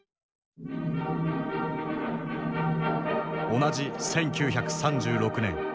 同じ１９３６年。